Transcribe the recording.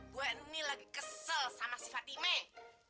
gue ini lagi kesel sama si fatime